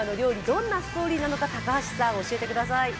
どんなストーリーなのか高橋さん、教えてください。